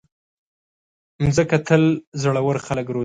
مځکه تل زړور خلک روزلي.